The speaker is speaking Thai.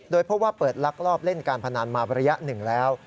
โดยพบว่าเปิดลักลอบเล่นการพนันมาระยะหนึ่งแล้ว